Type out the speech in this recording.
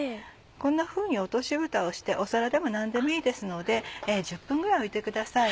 こんなふうに落としぶたをして皿でも何でもいいですので１０分ぐらい置いてください。